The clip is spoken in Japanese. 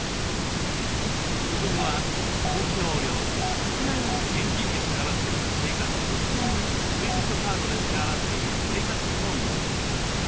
区分は公共料金現金で支払っている生活費クレジットカードで支払っている生活費の３つ。